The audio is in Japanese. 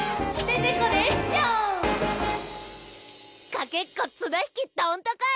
かけっこつなひきどんとこい！